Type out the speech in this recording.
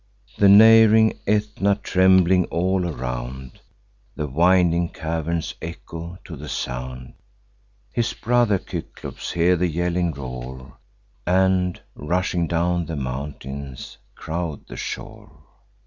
The neighb'ring Aetna trembling all around, The winding caverns echo to the sound. His brother Cyclops hear the yelling roar, And, rushing down the mountains, crowd the shore.